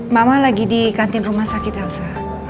mama lagi di kantin rumah sakit elsa